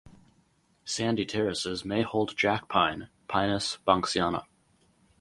Sandy terraces may hold jack pine ("Pinus banksiana").